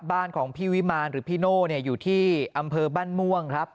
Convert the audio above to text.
บ้านของพี่วิมารหรือพี่โน่อยู่ที่อำเภอบ้านม่วงครับ